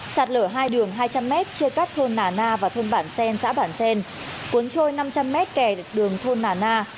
sạt lở hai đường hai trăm linh mét chia cắt thôn nà na và thôn bản xen xã bản xen cuốn trôi năm trăm linh mét kè đường thôn nà na